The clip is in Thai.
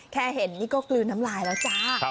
แค่เห็นนี่ก็กลืนน้ำลายแล้วจ้า